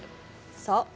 そう！